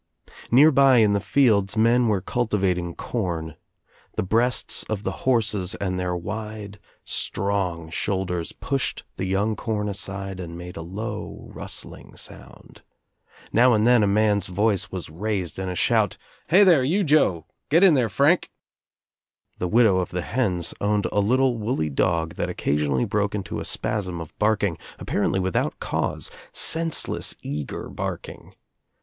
Nearby in the fields men were cultivating corn. The breasts of the horses and their 1 wide strong shoulders pushed the young corn aside and j made a low rustling sound. Now and then a man's voice was raised in a shout. "Hi, there you Joel 1 Get in there Frank I" The widow of the hens owned I little woolly dog that occasionally broke Into a spasm 234 THE TRIUMPH OF THE EGG^ of barking, apparently without cause, senseless, eager, barking.